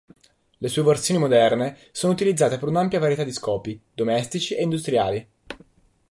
Le sue versioni moderne sono utilizzate per un'ampia varietà di scopi, domestici e industriali.